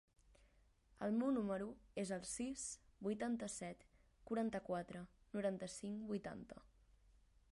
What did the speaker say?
El meu número es el sis, vuitanta-set, quaranta-quatre, noranta-cinc, vuitanta.